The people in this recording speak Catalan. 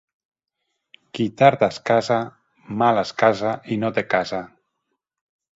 Qui tard es casa, mal es casa i no fa casa.